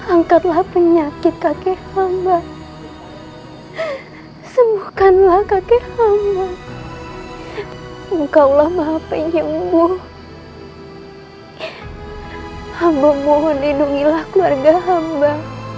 angkatlah penyakit kakek hamba sembuhkanlah kakek hamba engkau lama penyembuh hamba mohon lindungilah keluarga hamba